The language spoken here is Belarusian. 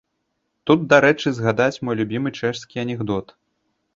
Тут дарэчы згадаць мой любімы чэшскі анекдот.